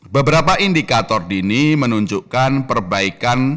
beberapa indikator dini menunjukkan perbaikan